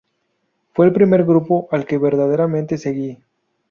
Fue al primer grupo al que verdaderamente seguí".